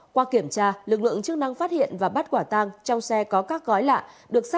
qua kiểm tra lực lượng chức năng phát hiện bắt quả tăng hai đối tượng